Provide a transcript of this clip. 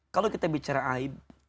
kalau kita bicara aib